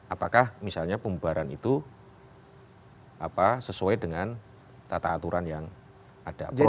apakah misalnya pembaharan itu sesuai dengan tata aturan yang ada